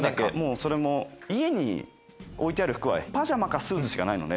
それも家に置いてある服はパジャマかスーツしかないので。